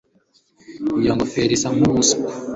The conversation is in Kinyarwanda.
Iyo ngofero isa nkubuswa.